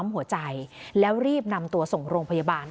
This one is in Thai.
หัวใจแล้วรีบนำตัวส่งโรงพยาบาล